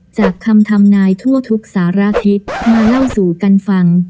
จากคำทำนายทั่วทุกสารทิศมาเล่าสู่กันฟัง